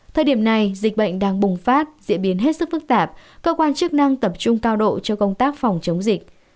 thời điểm này dịch bệnh đang bùng phát diễn biến hết sức phức tạp cơ quan chức năng tập trung cao độ cho công tác phòng chống dịch